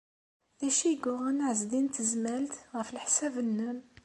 D acu ay yuɣen Ɛezdin n Tezmalt, ɣef leḥsab-nnem?